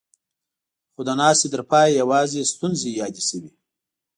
خو د ناستې تر پايه يواځې ستونزې يادې شوې.